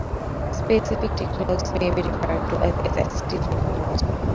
Specific technologies may be referred to as assistive technology.